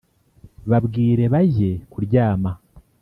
Babwire bajye kuryama